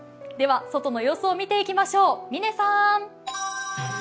外の様子を見ていきましょう。